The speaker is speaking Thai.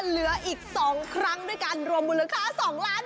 เหลืออีก๒ครั้งด้วยกันรวมมูลค่า๒ล้าน